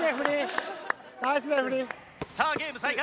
さあゲーム再開。